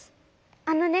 あのね